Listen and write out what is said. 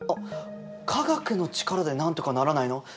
科学の力でなんとかならないの？